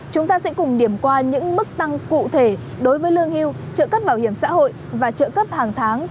chúng ta sẽ cùng điểm qua những mức tăng cụ thể đối với lương hưu trợ cấp bảo hiểm xã hội và trợ cấp hàng tháng